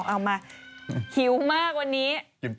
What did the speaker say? เอามาหิวมากวันนี้